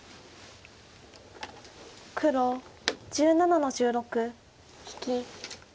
黒１７の十六引き。